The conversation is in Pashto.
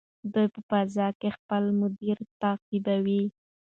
دوی په فضا کې خپل مدار تعقیبوي.